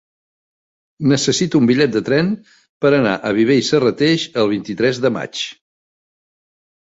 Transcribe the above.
Necessito un bitllet de tren per anar a Viver i Serrateix el vint-i-tres de maig.